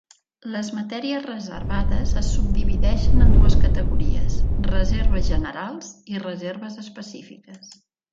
Les matèries reservades es subdivideixen en dues categories: reserves generals i reserves específiques.